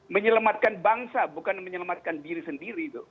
menyelamatkan bangsa bukan menyelamatkan diri sendiri